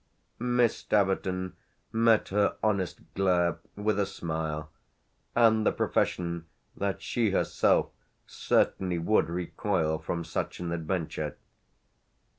Miss Staverton met her honest glare with a smile and the profession that she herself certainly would recoil from such an adventure.